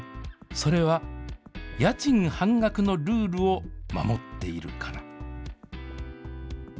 それは家賃半額のルールを守っているから。